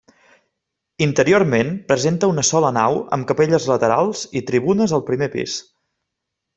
Interiorment presenta una sola nau amb capelles laterals i tribunes al primer pis.